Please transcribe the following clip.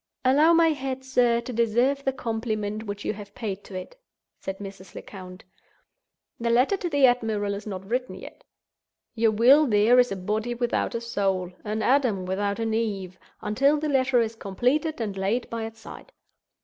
"Allow my head, sir, to deserve the compliment which you have paid to it," said Mrs. Lecount. "The letter to the admiral is not written yet. Your will there is a body without a soul—an Adam without an Eve—until the letter is completed and laid by its side.